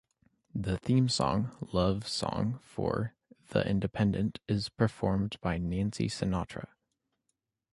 The theme song "The Love Song For 'The Independent"' is performed by Nancy Sinatra.